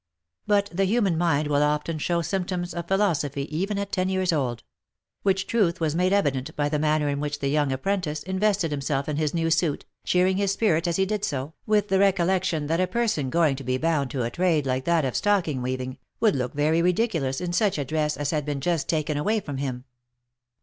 But the human mind will often show symptoms of philosophy even at ten years old ; which truth was made evident by the manner in which the young apprentice invested himself in his new suit, cheer ing his spirit as he did so, with the recollection that a person going to be bound to a trade like that of stocking weaving, would look very ridiculous in such a dress as had been just taken away from him.